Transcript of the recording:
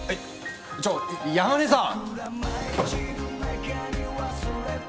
ちょっ山根さん